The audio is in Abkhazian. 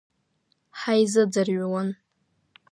Ҳаизыӡырҩуан.